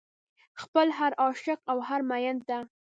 خپل هر عاشق او هر مين ته